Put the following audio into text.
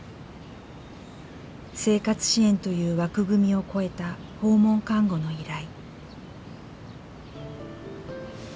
生活支援という枠組みを超えた訪問看護の依頼。